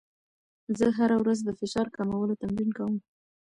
زه هره ورځ د فشار کمولو تمرین کوم.